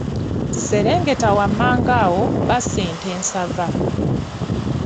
Serengeta wammanga awo basse ente ensava.